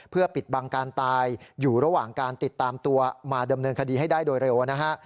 เพื่อปิดบังการตายอยู่ระหว่างการติดตามตัวมาดำเนินคดีให้ได้โดยเร็วนะฮะ